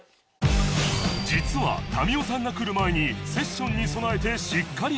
実は民生さんが来る前にセッションに備えてしっかり練習をしていた２人